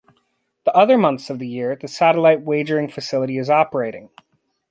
The other months of the year the satellite wagering facility is operating.